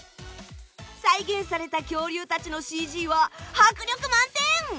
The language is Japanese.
再現された恐竜たちのＣＧは迫力満点！